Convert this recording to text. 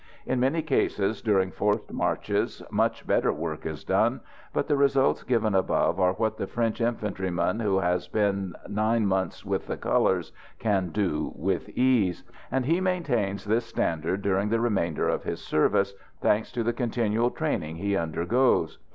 In many cases during forced marches much better work is done, but the results given above are what the French infantryman who has been nine months with the colours can do with ease; and he maintains this standard during the remainder of his service, thanks to the continual training he undergoes.